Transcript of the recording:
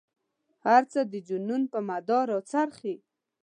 هر څه د جنون په مدار را څرخي.